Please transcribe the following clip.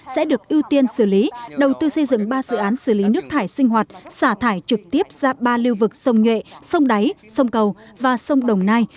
sẽ được ưu tiên xử lý đầu tư xây dựng ba dự án xử lý nước thải sinh hoạt xả thải trực tiếp ra ba lưu vực sông nhuệ sông đáy sông cầu và sông đồng nai